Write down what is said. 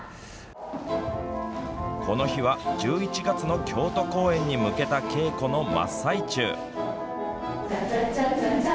この日は１１月の京都公演に向けた稽古の真っ最中。